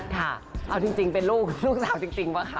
ค่ะเอาจริงเป็นลูกสาวจริงป่ะคะ